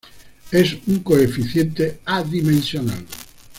Es un coeficiente adimensional.